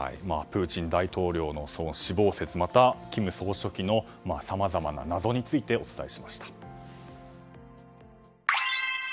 プーチン大統領の死亡説また金総書記のさまざまな謎についてお伝えしました。